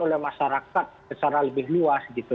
oleh masyarakat secara lebih luas gitu